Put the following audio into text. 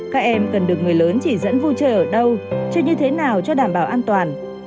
các em cần được người lớn chỉ dẫn vui chơi ở đâu chứ như thế nào cho đảm bảo an toàn